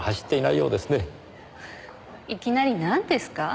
いきなりなんですか？